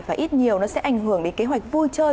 và ít nhiều nó sẽ ảnh hưởng đến kế hoạch vui chơi